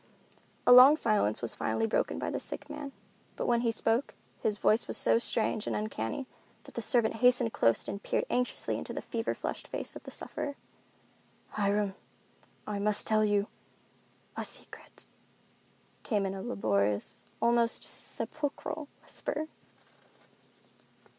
A long silence was finally broken by the sick man. But when he spoke, his voice was so strange and uncanny that the servant hastened close and peered anxiously into the fever flushed face of the sufferer. "Hiram—I must tell you—a secret," came in a laborious, almost sepulchral, whisper.